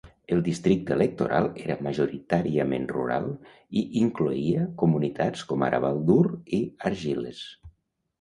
El districte electoral era majoritàriament rural i incloïa comunitats com ara Baldur i Argyles.